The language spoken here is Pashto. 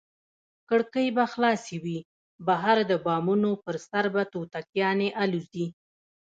کړکۍ به خلاصې وي، بهر د بامونو پر سر به توتکیانې الوزي.